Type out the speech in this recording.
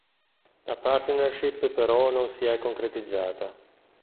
La partnership però non si è concretizzata.